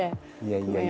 いやいや。